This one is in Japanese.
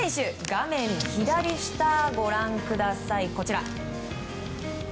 画面左下、ご覧ください。